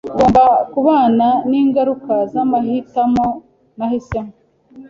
Ngomba kubana ningaruka zamahitamo nahisemo.